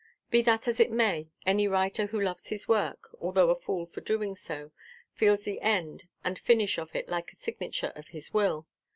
Be that as it may, any writer who loves his work (although a fool for doing so) feels the end and finish of it like the signature of his will.